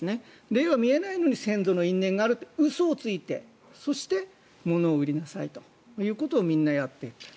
霊は見えないのに先祖の因縁があると嘘をついてそして、ものを売りなさいということをみんなやっていると。